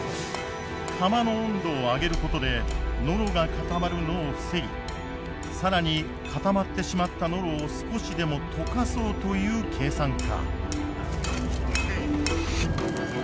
釜の温度を上げることでノロが固まるのを防ぎ更に固まってしまったノロを少しでも溶かそうという計算か。